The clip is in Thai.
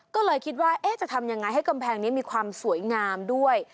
ก็เลยคิดว่าจะทำยังไงให้กำแพงนี้มีความสวยงามด้วย